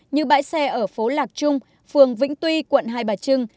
như bãi xe ở phố lạc trung phường vĩnh tuy quận hai bà trưng